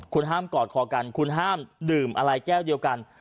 คุณห้ามกอดคอกันคุณห้ามดื่มอะไรแก้วเดียวกัน